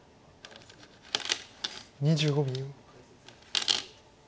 ２５秒。